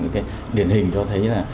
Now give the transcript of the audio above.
những điển hình cho thấy là